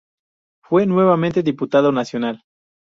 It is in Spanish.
Fue nuevamente diputado nacional.